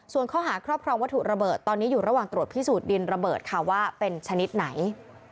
ส่วนข้อหาครอบครองวัตถุระเบิดตอนนี้อยู่ระหว่างตรวจพิสูจนดินระเบิดค่ะว่าเป็นชนิดไหน